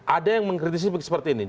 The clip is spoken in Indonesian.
ada yang mengkritisi seperti ini